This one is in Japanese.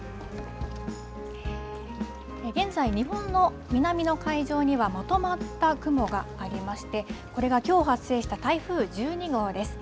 現在、日本の南の海上にはまとまった雲がありまして、これがきょう発生した台風１２号です。